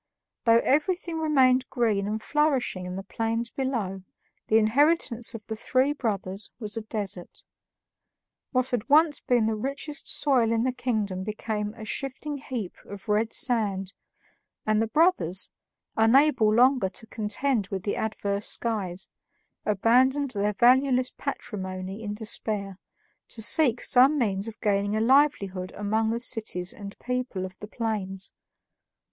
Though everything remained green and flourishing in the plains below, the inheritance of the three brothers was a desert. What had once been the richest soil in the kingdom became a shifting heap of red sand, and the brothers, unable longer to contend with the adverse skies, abandoned their valueless patrimony in despair, to seek some means of gaining a livelihood among the cities and people of the plains.